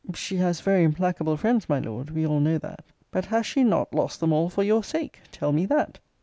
She has very implacable friends, my Lord: we all know that. But has she not lost them all for your sake? Tell me that.